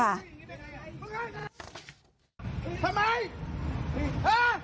เอ้าเป็นอย่างไรนะ